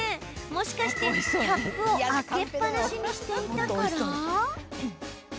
もしかして、キャップを開けっぱなしにしていたから？